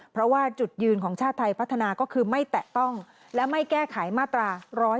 เพราะว่าจุดยืนของชาติไทยพัฒนาก็คือไม่แตะต้องและไม่แก้ไขมาตรา๑๔